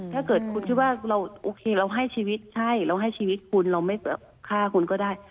ถ้าเกิดคุณคิดว่าเราโอเคเราให้ชีวิตใช่เราให้ชีวิตคุณเราไม่ฆ่าคุณก็ได้